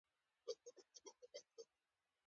هغوی د نجونو د زده کړو پرېکړه نه کوله.